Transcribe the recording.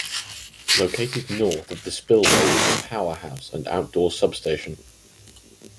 Located North of the spillway is the powerhouse and outdoor substation.